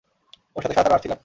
ওর সাথে সারাটা রাত ছিলাম!